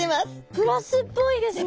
プラスっぽいですね！